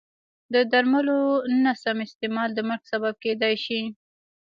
د درملو نه سم استعمال د مرګ سبب کېدای شي.